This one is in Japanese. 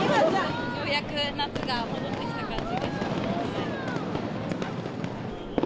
ようやく夏が戻ってきた感じがします。